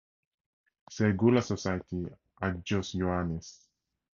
Sergoula Society Aghios Ioannis.